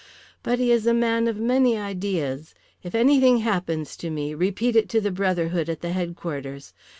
But he is a man of many ideas. If anything happens to me, repeat it to the Brotherhood at the headquarters.